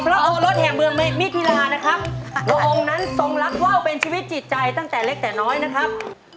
โอรสแห่งเมืองมิธิลานะครับพระองค์นั้นทรงรักว่าวเป็นชีวิตจิตใจตั้งแต่เล็กแต่น้อยนะครับ